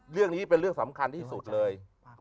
เรื่องนี้เป็นเรื่องสำคัญที่สุดเลย